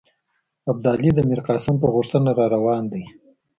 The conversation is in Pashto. ابدالي د میرقاسم په غوښتنه را روان دی.